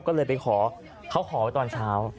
ก็เลยเขาขอตอนเช้า